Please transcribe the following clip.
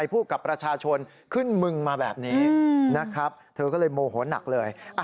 พี่พูดพี่พูดมึงมึงต้องไปพบแพทย์พี่พูดแบบนี้เมื่อกี้